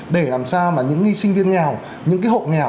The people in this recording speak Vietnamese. để làm sao mà những nghi sinh viên nghèo những hộ nghèo